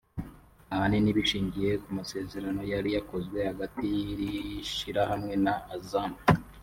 ahanini bishingiye ku masezerano yari yakozwe hagati y’iri shyirahamwe na Azam